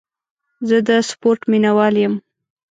زه د سپورټ مینهوال یم.